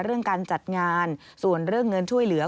เรื่องการจัดงานส่วนเรื่องเงินช่วยเหลือ